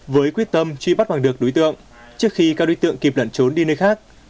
với quyết tâm truy bắt bằng được đối tượng trước khi các đối tượng kịp lẩn trốn đi nơi khác